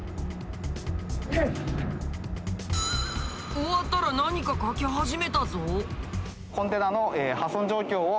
終わったら何か書き始めたぞ。